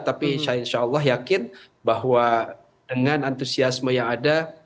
tapi saya insya allah yakin bahwa dengan antusiasme yang ada